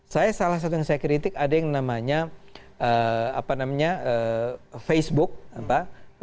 saya salah satu yang saya kritik ada yang namanya facebook apa